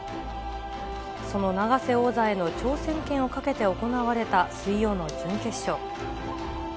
その永瀬王座への挑戦権をかけて行われた、水曜の準決勝。